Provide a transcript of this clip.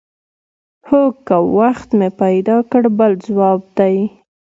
هو که وخت مې پیدا کړ بل ځواب دی.